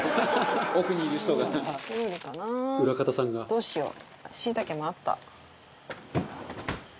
どうしよう？